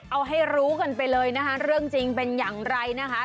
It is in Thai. เอาให้รู้กันไปเลยนะคะเรื่องจริงเป็นอย่างไรนะคะ